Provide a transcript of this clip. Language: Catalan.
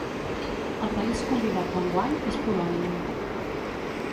El país convidat d'enguany és Polònia.